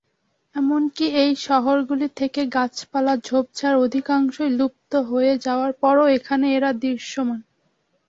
এমনকি এই শহরগুলি থেকে গাছপালা ঝোপঝাড় অধিকাংশই লুপ্ত হয়ে যাওয়ার পরও এখানে এরা দৃশ্যমান।